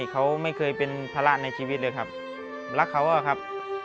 เขาไม่เคยเป็นภาระในชีวิตเลยครับรักเขาอะครับ